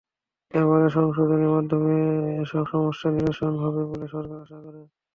এবারের সংশোধনীর মাধ্যমে এসব সমস্যার নিরসন হবে বলে সরকার আশা করে।